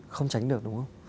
không tránh được đúng không